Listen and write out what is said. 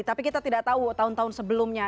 tapi kita tidak tahu tahun tahun sebelumnya